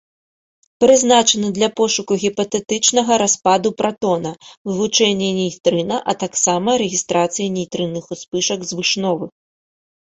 Прызначаны для пошуку гіпатэтычнага распаду пратона, вывучэння нейтрына, а таксама рэгістрацыі нейтрынных успышак звышновых.